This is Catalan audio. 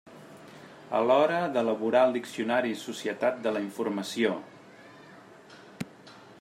A l'hora d'elaborar el diccionari Societat de la informació.